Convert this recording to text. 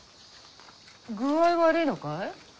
具合悪いのかい？